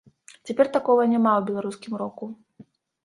Цяпер такога няма ў беларускім року.